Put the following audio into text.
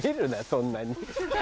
そんなに。